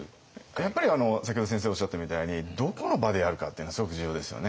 やっぱり先ほど先生おっしゃったみたいにどこの場でやるかっていうのはすごく重要ですよね。